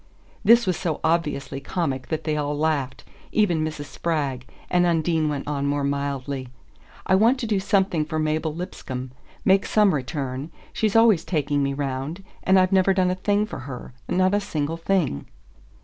This was so obviously comic that they all laughed even Mrs. Spragg and Undine went on more mildly: "I want to do something for Mabel Lipscomb: make some return. She's always taking me 'round, and I've never done a thing for her not a single thing."